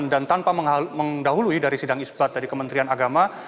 dan tanpa mengdahului dari sidang ispat dari kementerian agama